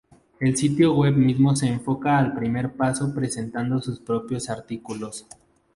El sitio web mismo se enfoca al primer paso presentando sus propios artículos.